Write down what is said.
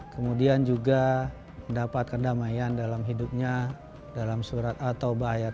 kemudian juga mendapatkan damai dalam hidupnya dalam surat at tawbah ayat satu ratus tiga